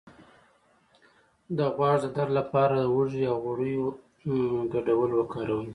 د غوږ د درد لپاره د هوږې او غوړیو ګډول وکاروئ